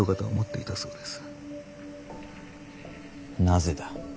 なぜだ。